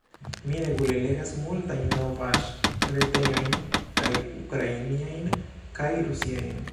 Mi regule legas multajn novaĵ-retejojn, kaj ukrainiajn, kaj rusiajn.